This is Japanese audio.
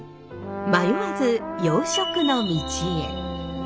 迷わず洋食の道へ。